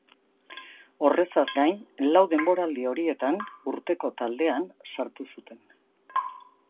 Horrezaz gain, lau denboraldi horietan Urteko Taldean sartu zuten.